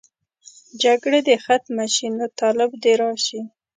جګړه دې ختمه شي، نو طالب دې راشي.